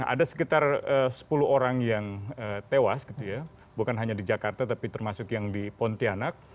ada sekitar sepuluh orang yang tewas gitu ya bukan hanya di jakarta tapi termasuk yang di pontianak